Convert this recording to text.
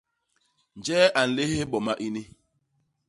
Njee a nléhés boma ini?